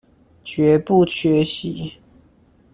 絕不缺席